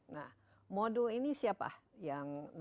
nah modul ini siapa yang nanti menentukan